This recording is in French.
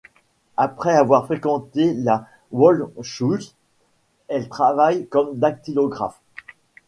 Après avoir fréquenté la Volksschule, elle travaille comme dactylographe.